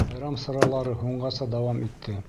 Байрам саралары һуңғаса дауам итте.